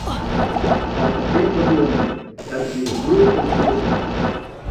El paper tot ho admet, tant si és brut com si és net.